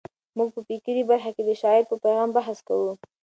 موږ په فکري برخه کې د شاعر په پیغام بحث کوو.